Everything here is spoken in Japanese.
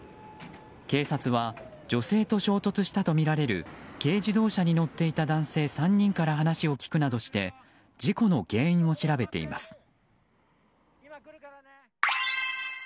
警察は女性と衝突したとみられる軽自動車に乗っていた男性３人から話を聞くなどして事故の原因を調べています。